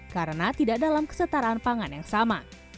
karena tidak dalam kesetaraan pangan yang sama